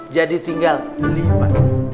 jadi tinggal lima